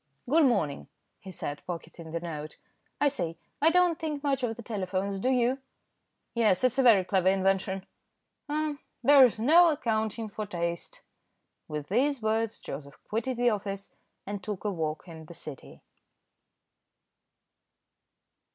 "Good morning," he said, pocketing the note. "I say, I don't think much of telephones, do you?" "Yes, it's a very clever invention." "Ah! there's no accounting for taste." With these words Joseph quitted the office, and took a walk in the City.